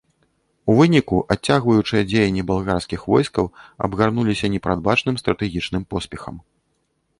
У выніку адцягваючыя дзеянні балгарскіх войскаў абгарнуліся непрадбачаным стратэгічным поспехам.